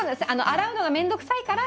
洗うのが面倒くさいから。